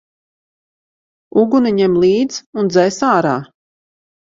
Uguni ņem līdz un dzēs ārā!